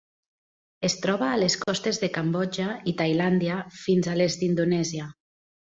Es troba a les costes de Cambodja i Tailàndia fins a les d'Indonèsia.